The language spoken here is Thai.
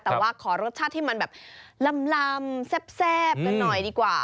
แต่ว่าขอรสชาติที่มันแบบลำแซ่บกันหน่อยดีกว่า